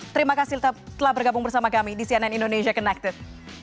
terima kasih telah bergabung bersama kami di cnn indonesia connected